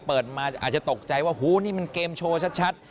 เปิดมาอาจจะตกใจว่าหูนี่มันเกมโชว์ชัด